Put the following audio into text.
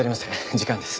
時間です。